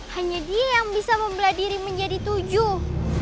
hanya dia yang bisa membelah diri menjadi tujuh